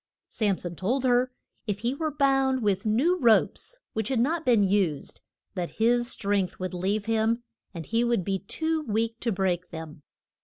] Sam son told her if he were bound with new ropes, which had not been used, that his strength would leave him, and he would be too weak to break them.